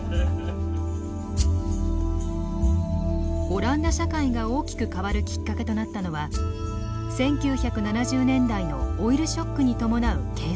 オランダ社会が大きく変わるきっかけとなったのは１９７０年代のオイルショックに伴う経済危機。